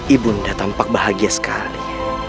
ibu nda tampak bahagia sekali